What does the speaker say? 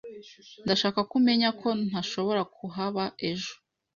Ndashaka ko umenya ko ntashobora kuhaba ejo.